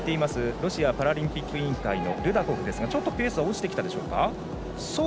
ロシアパラリンピック委員会のルダコフですがちょっとペースが落ちてきたか。